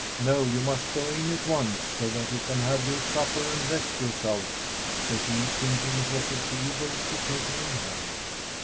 "No, you must go in at once, so that you can have your supper and rest yourself," said he, thinking it was agreeable to take her in hand.